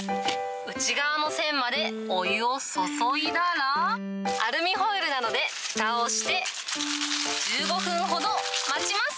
内側の線までお湯を注いだら、アルミホイルなどで、ふたをして、１５分ほど待ちます。